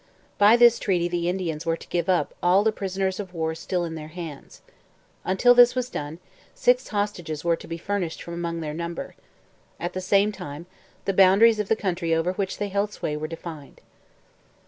By this treaty the Indians were to give up all the prisoners of war still in their hands. Until this was done, six hostages were to be furnished from among their number. At the same time, the boundaries of the country over which they held sway were defined.